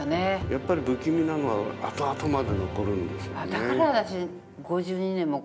やっぱり不気味なのは後々まで残るんですよね。